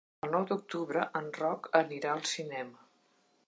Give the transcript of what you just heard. El nou d'octubre en Roc anirà al cinema.